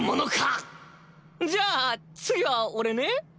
じゃあ次は俺ね。